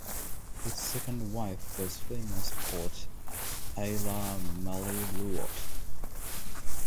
His second wife was famous poet Aila Meriluoto.